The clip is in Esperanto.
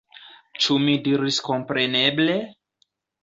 Ĉu mi diris kompreneble?